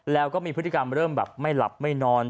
แล้วก็มีพฤติกรรมเริ่มแบบไม่หลับไม่นอน